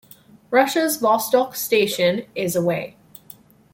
Russia's Vostok Station is away.